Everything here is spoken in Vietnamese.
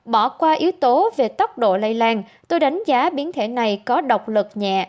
bỏ qua yếu tố về tốc độ lây lan tôi đánh giá biến thể này có độc lực nhẹ